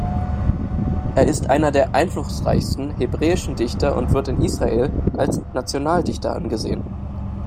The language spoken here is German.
Er ist einer der einflussreichsten hebräischen Dichter und wird in Israel als Nationaldichter angesehen.